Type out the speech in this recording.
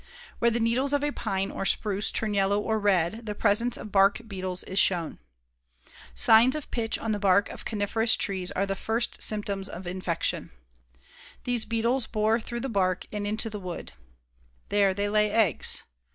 Where the needles of a pine or spruce turn yellow or red, the presence of bark beetles is shown. Signs of pitch on the bark of coniferous trees are the first symptoms of infection. These beetles bore through the bark and into the wood. There they lay eggs.